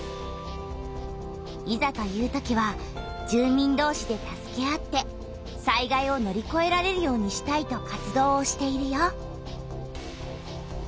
いざというときは住民どうしで助け合って災害を乗りこえられるようにしたいと活動をしているよ。